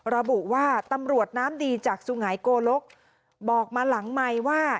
ระบุว่าตำรวจน้ำดีจากสุหายโกลกบอกมาหลังไมค์ว่า